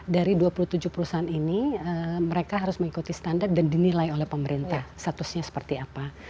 dari dua puluh tujuh perusahaan ini mereka harus mengikuti standar dan dinilai oleh pemerintah statusnya seperti apa